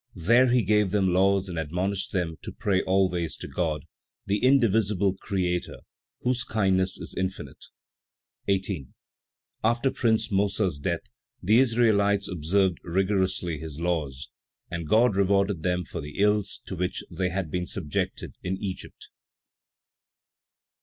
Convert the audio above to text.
There he gave them laws and admonished them to pray always to God, the indivisible Creator, whose kindness is infinite. 18. After Prince Mossa's death, the Israelites observed rigorously his laws; and God rewarded them for the ills to which they had been subjected in Egypt. 19.